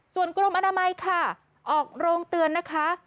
ส่วนกรมอนามัยค่ะออกโรงเตือนนะคะ